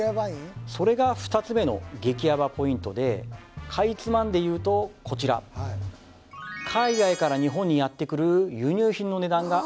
それが２つ目の激ヤバポイントでかいつまんでいうとこちら海外から日本にやって来る